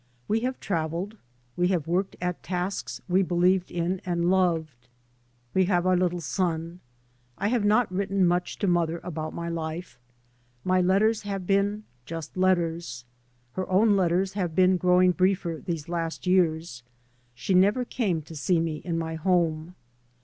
We have travelled. We have worked at tasks wc believed in and loved. We have our little son. I have not written much to mother about my life. My letters have been — just letters. Her own letters have been growing briefer these last years. She never came to see me in my home.